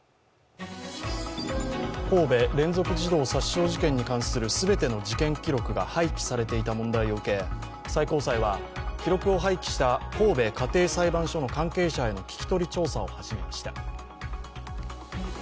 神戸連続児童殺傷事件に関する全ての事件記録が廃棄されていた問題を受け最高裁は、記録を廃棄した神戸家庭裁判所の関係者への聞き取り調査を始めました。